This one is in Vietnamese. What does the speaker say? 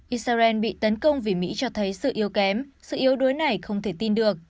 israel bị tấn công vì mỹ cho thấy sự yếu kém sự yếu đuối này không thể tin được